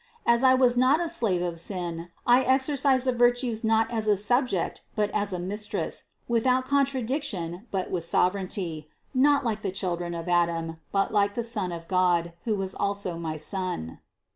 As I was not a slave of sin, I exercised the virtues not as a subject, but as a Mistress, without contradiction, but with sovereignty, not like the children of Adam, but like the Son of God, who was also my Son.